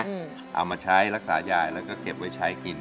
เอามาใช้รักษายายแล้วก็เก็บไว้ใช้กิน